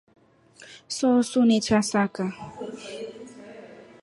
Sohosuni chasaka.